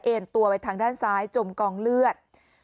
ตัวไปทางด้านซ้ายจมกองเลือด